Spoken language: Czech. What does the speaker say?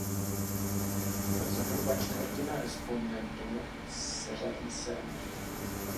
Zhruba čtvrtina respondentů se řadí sem.